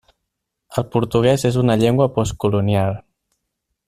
El portuguès és una llengua postcolonial.